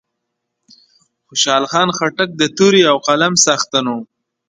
خوشحال خان خټک د تورې او قلم څښتن وو